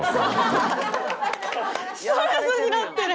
ストレスになってる。